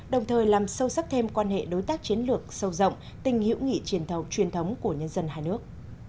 đồng thời làm sâu sắc thêm quan hệ đối tác chiến lược sâu rộng tình hữu nghị truyền thống truyền thống của nhân dân hai nước